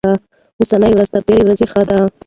اوسنۍ ورځ تر تېرې ورځې ښه ده.